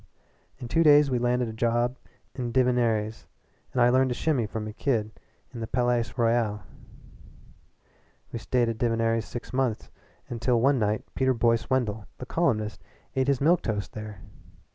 "In two days we landed a job at Divinerries', and I learned to shimmy from a kid at the Palais Royal. We stayed at Divinerries' six months until one night Peter Boyce Wendell, the columnist, ate his milk toast there.